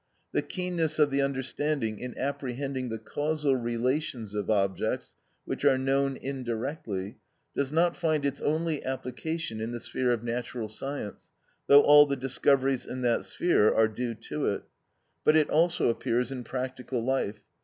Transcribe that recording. The keenness of the understanding in apprehending the causal relations of objects which are known indirectly, does not find its only application in the sphere of natural science (though all the discoveries in that sphere are due to it), but it also appears in practical life.